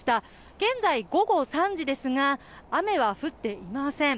現在、午後３時ですが雨は降っていません。